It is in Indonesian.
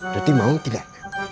duti mau tidak